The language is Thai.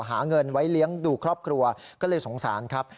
หาเงินไว้เลี้ยงดูครอบครัวก็เลยสงสารครับ